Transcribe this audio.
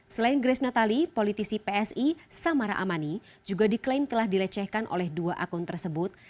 selain grace natali politisi psi samara amani juga diklaim telah dilecehkan oleh dua akun tersebut